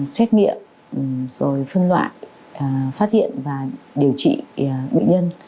xét nghiệm rồi phân loại phát hiện và điều trị bệnh nhân